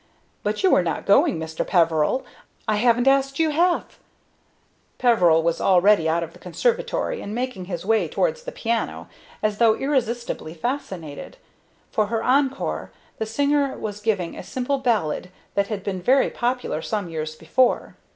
But you are not going, Mr. Peveril? I haven't asked you half " Peveril was already out of the conservatory and making his way towards the piano, as though irresistibly fascinated. For her encore the singer was giving a simple ballad that had been very popular some years before.